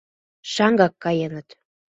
Шаҥгак каеныт.